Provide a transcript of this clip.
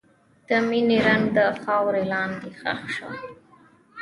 د مینې رنګ د خاورې لاندې ښخ شو.